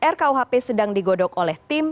rkuhp sedang digodok oleh tim